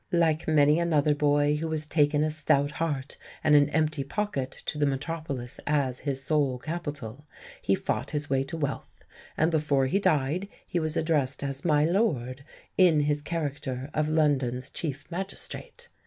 Like many another boy who has taken a stout heart and an empty pocket to the Metropolis as his sole capital, he fought his way to wealth; and before he died he was addressed as "My lord," in his character of London's chief magistrate.